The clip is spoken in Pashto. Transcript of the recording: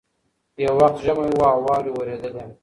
یو وخت ژمی وو او واوري اورېدلې